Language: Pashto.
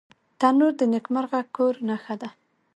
تنور د نیکمرغه کور نښه ده